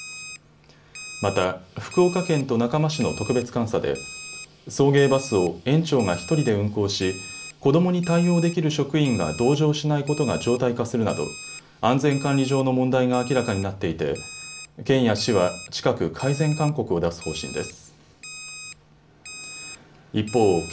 また福岡県と中間市の特別監査で送迎バスを園長が１人で運行し子どもに対応できる職員が同乗しないことが常態化するなど安全管理上の問題が明らかになっていて県や市は近く改善勧告を出す方針です。